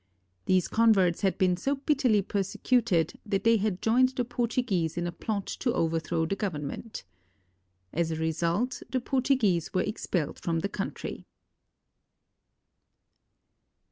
These converts had been so bitterly persecuted that they had joined the Portuguese in a plot to overthrow the government. As a result, the Portuguese were expelled from the country.